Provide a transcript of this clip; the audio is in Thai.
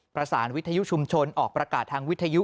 ประสานวิทยุชุมชนออกประกาศทางวิทยุ